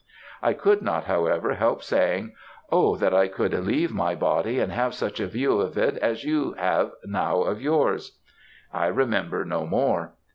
I could not, however, help saying "O, that I could leave my body and have such a view of it as you have now of yours!" I remember no more.